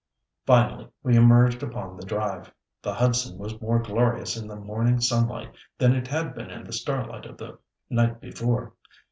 Finally we emerged upon the Drive. The Hudson was more glorious in the morning sunlight than it had been in the starlight of the night before.